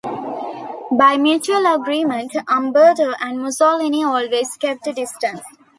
By mutual agreement, Umberto and Mussolini always kept a distance.